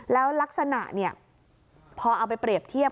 แล้วลักษณะพอเอาไปเปรียบเทียบ